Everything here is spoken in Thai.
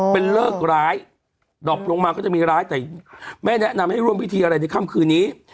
เป็นเลิกร้ายดอบลงมาก็จะมีร้ายแต่ไม่แนะนำให้ร่วมพิธีอะไรในค่ำคืนนี้